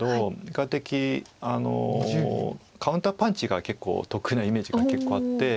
比較的カウンターパンチが結構得意なイメージがあって。